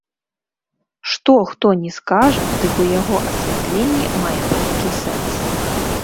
Што хто ні скажа, дык у яго асвятленні мае брыдкі сэнс.